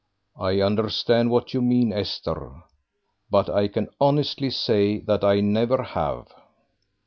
"I understand what you mean, Esther, but I can honestly say that I never have."